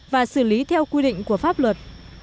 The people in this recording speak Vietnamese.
và xử lý theo quy định của pháp luật